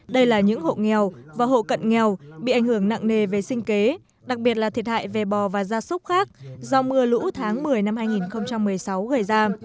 đây là những hộ nghèo và hộ cận nghèo bị ảnh hưởng nặng nề về sinh kế đặc biệt là thiệt hại về bò và gia súc khác do mưa lũ tháng một mươi năm hai nghìn một mươi sáu gây ra